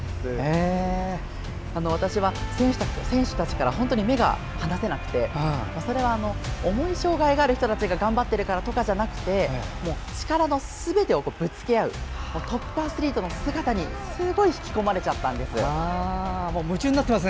私は、選手たちから本当に目が離せなくてそれは重い障がいがある人たちが頑張っているからとかじゃなくて力のすべてをぶつけ合うトップアスリートの姿にすごい引き込まれちゃったんです。